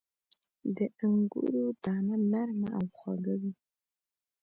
• د انګورو دانه نرمه او خواږه وي.